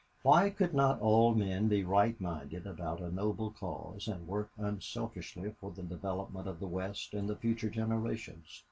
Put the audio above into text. Why could not all men be right minded about a noble cause and work unselfishly for the development of the West and the future generations?